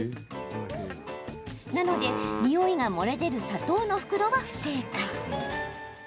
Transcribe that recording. なので、においが漏れ出る砂糖の袋は不正解。